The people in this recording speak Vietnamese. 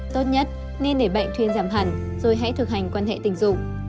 tốt nhất nên để bệnh thuyên giảm hẳn rồi hãy thực hành quan hệ tình dục